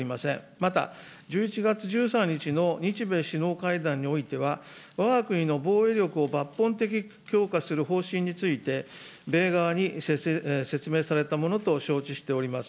また、１１月１３日の日米首脳会談においては、わが国の防衛力を抜本的強化する方針について、米側に説明されたものと承知しております。